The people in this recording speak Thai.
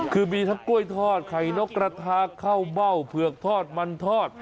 คือมีทั้งกล้วยทอดไข่นกกระทาข้าวเม่าเผือกทอดมันทอด